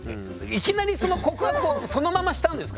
いきなりその告白をそのまましたんですか？